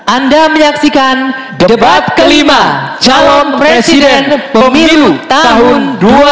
anda menyaksikan debat kelima calon presiden pemilu tahun dua ribu dua puluh empat